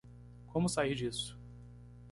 Como sair disso